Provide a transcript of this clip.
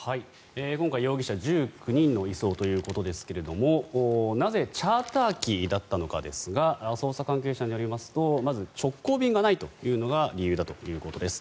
今回、容疑者１９人の移送ということですがなぜチャーター機だったのかですが捜査関係者によりますとまず直行便がないというのが理由だということです。